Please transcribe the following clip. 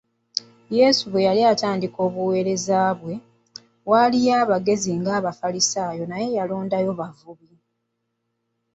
Yesu bwe yali atandika obuweereza bwe, waaliwo abagezi ng’abafalisaayo naye yalondayo bavubi.